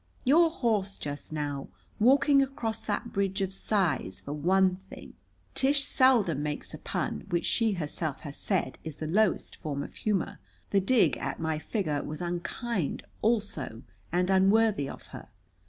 Your horse just now, walking across that bridge of size, for one thing." Tish seldom makes a pun, which she herself has said is the lowest form of humor. The dig at my figure was unkind, also, and unworthy of her.